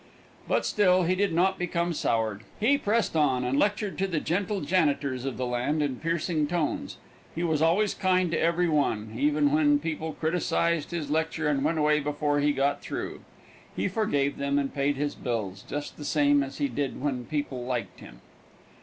But still he did not become soured. He pressed on and lectured to the gentle janitors of the land in piercing tones. He was always kind to every one, even when people criticised his lecture and went away before he got through. He forgave them and paid his bills just the same as he did when people liked him.